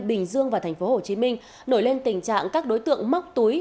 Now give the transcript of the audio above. bình dương và thành phố hồ chí minh nổi lên tình trạng các đối tượng móc túi